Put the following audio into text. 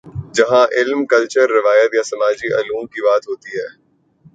جہاں علم، کلچر، روایت یا سماجی علوم کی بات ہوتی ہے۔